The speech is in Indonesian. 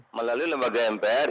melalui lembaga mpr